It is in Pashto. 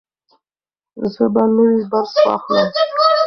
زه به نوی برس واخلم.